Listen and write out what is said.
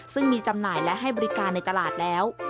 ซึ่งมีจำหน่ายและให้บริการในตลาดแล้ว